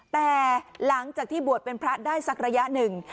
แต่หลังจากที่บวชเป็นพระได้สักระยะหนึ่ง